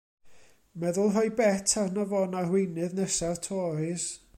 Meddwl rhoi bet arno fo yn arweinydd nesa'r Toris.